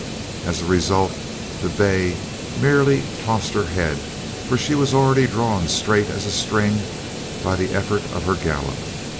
As a result, the bay merely tossed her head, for she was already drawn straight as a string by the effort of her gallop.